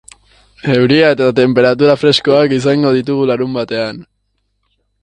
Euria eta tenperatura freskoak izango ditugu larunbatean.